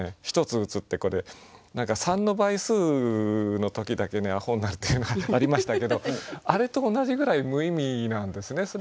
「一つ打つ」ってこれ何か３の倍数の時だけねアホになるっていうのがありましたけどあれと同じぐらい無意味なんですね。